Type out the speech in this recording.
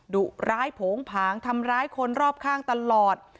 ดุร้ายโผงผางทำร้ายคนรอบข้างตลอด